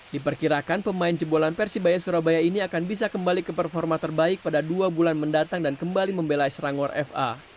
diperkirakan pemain jebolan persibaya surabaya ini akan bisa kembali ke performa terbaik pada dua bulan mendatang dan kembali membelai serangor fa